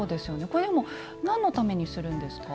これでも何のためにするんですか？